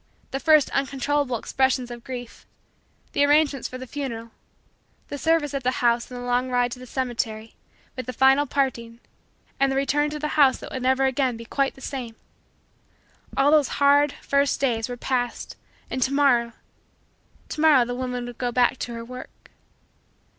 The first uncontrollable expressions of grief the arrangements for the funeral the service at the house and the long ride to the cemetery with the final parting and the return to the house that would never again be quite the same all those hard, first, days were past and to morrow to morrow the woman would go back to her work.